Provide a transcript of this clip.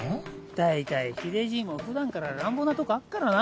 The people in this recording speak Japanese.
だいたい秀じいも普段から乱暴なとこあっからな。